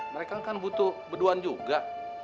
mereka kan butuh beduan juga